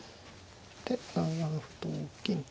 で７七歩同銀と。